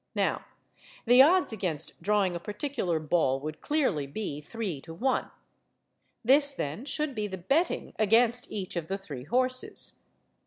Now, the odds against drawing a particular ball would clearly be 3 to 1. This, then, should be the betting against each of the three horses.